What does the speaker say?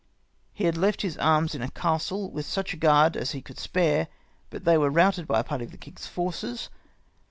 He had left his arms in a castle, with such a guard as he could spare ; but they were routed by a party of the king's forces.